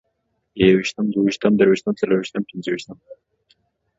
يوويشتم، دوه ويشتم، درويشتم، څلرويشتم، څلورويشتم